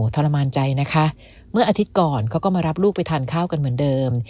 ทรมานใจนะคะเมื่ออาทิตย์ก่อนเขาก็มารับลูกไปทานข้าวกันเหมือนเดิม